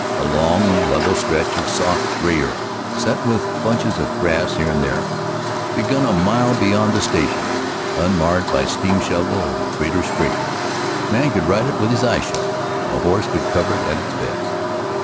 A long, level stretch of soft gray earth, set with bunches of grass here and there, began a mile beyond the station, unmarred by steam shovel or grader's scraper. A man could ride it with his eyes shut; a horse could cover it at its best.